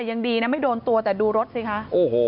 ยังดีนะไม่โดนตัวแต่ดูรถสิคะโอ้โห